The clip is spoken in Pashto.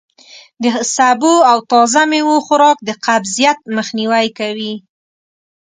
د سبو او تازه میوو خوراک د قبضیت مخنوی کوي.